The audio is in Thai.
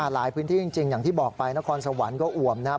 หลายพื้นที่จริงอย่างที่บอกไปนครสวรรค์ก็อ่วมนะครับ